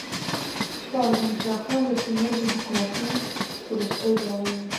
خوارزم شاهان د سیمه ییزو حکومتونو وروستۍ لړۍ وه.